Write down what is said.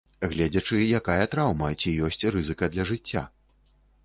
Гледзячы, якая траўма, ці ёсць рызыка для жыцця.